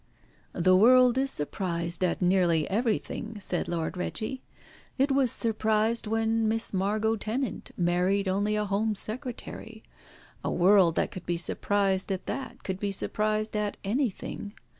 "The world is surprised at nearly everything," said Lord Reggie. "It was surprised when Miss Margot Tennant married only a Home Secretary! A world that could be surprised at that could be surprised at anything.